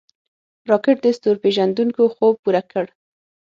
راکټ د ستورپیژندونکو خوب پوره کړ